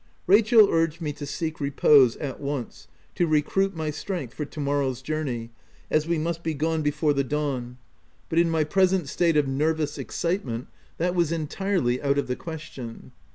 Rachel urged me to seek repose, at once, to recruit my strength for to morrow's journey, as we must be gone before the dawn, but in my present state of nervous excitement, that was 112 THE TENANT entirely out of the question.